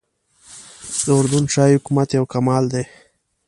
د اردن شاهي حکومت یو کمال دی.